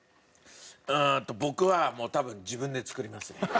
うんと僕はもう多分自分で作りますね。